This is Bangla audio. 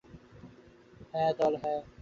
হ্যাঁ, দল, হ্যাঁ।